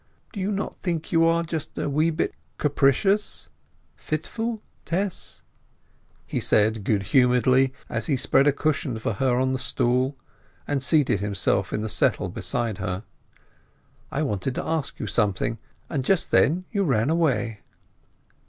"Do you not think you are just a wee bit capricious, fitful, Tess?" he said, good humouredly, as he spread a cushion for her on the stool, and seated himself in the settle beside her. "I wanted to ask you something, and just then you ran away."